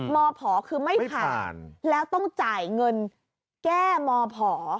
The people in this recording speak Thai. มผคือไม่ผ่านแล้วต้องจ่ายเงินแก้มผ